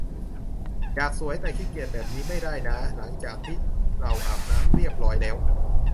อยากสวย แต่ขี้เกียจ แบบนี้ไม่ได้น้าหลังจากที่เราอาบน้ำเรียบร้อยแล้ว